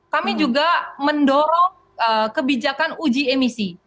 kami juga mendorong kebijakan uji emisi